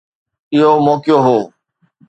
اهو موقعو هو.